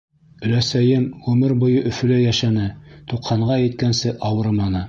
Өләсәйем ғүмер буйы Өфөлә йәшәне — туҡһанға еткәнсе ауырыманы.